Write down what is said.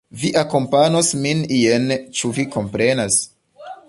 Vi akompanos min ien. Ĉu vi komprenas?